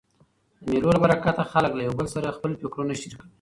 د مېلو له برکته خلک له یو بل سره خپل فکرونه شریکوي.